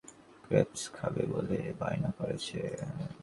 এই মেয়েগুলো তাকেশিতা স্ট্রিটের ক্রেপস খাবে বলে বায়না করেছে।